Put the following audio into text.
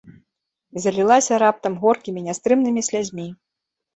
І залілася раптам горкімі нястрымнымі слязьмі.